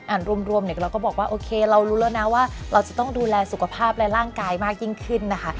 รวมเนี่ยเราก็บอกว่าโอเคเรารู้แล้วนะว่าเราจะต้องดูแลสุขภาพและร่างกายมากยิ่งขึ้นนะคะ